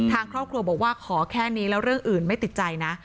ทางครอบครัวบอกว่าขอแค่นี้แล้วเรื่องอื่นไม่ติดใจนะ